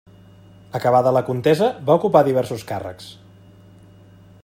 Acabada la contesa, va ocupar diversos càrrecs.